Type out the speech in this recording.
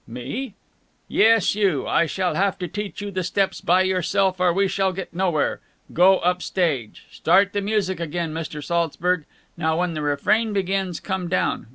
"Me?" "Yes, you. I shall have to teach you the steps by yourself, or we shall get nowhere. Go up stage. Start the music again, Mr. Saltzburg. Now, when the refrain begins, come down.